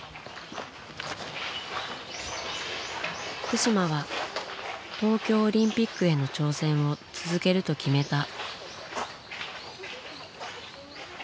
福島は東京オリンピックへの挑戦を続けると決めた。